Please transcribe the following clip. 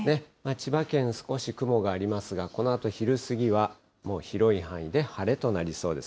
千葉県、少し雲がありますが、このあと昼過ぎは、もう広い範囲で晴れとなりそうです。